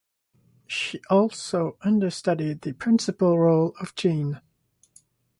She also understudied the principal role of Jean.